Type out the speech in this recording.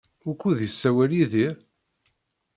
Wukud yessawal Yidir?